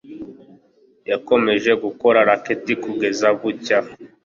yakomeje gukora racket kugeza bucya